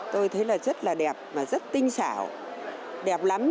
tôi thấy là rất là đẹp và rất tinh xảo đẹp lắm